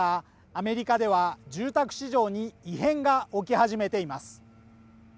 アメリカでは住宅市場に異変が起き始めています。